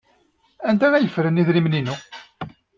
Anda ay ffren idrimen-inu?